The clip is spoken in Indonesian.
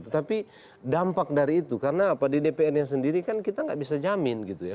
tetapi dampak dari itu karena apa di dpr nya sendiri kan kita nggak bisa jamin gitu ya